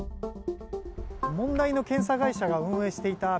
問題の検査会社が運営していた